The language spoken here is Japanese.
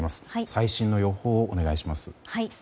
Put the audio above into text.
最新の予報をお願いします。